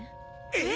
えっ！？